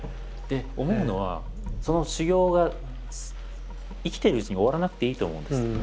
思うのはその修業が生きているうちに終わらなくていいと思うんです。